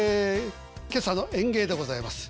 今朝の演芸でございます。